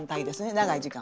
長い時間。